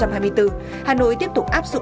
hà nội tiếp tục áp dụng